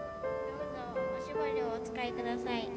どうぞおしぼりをお使いください。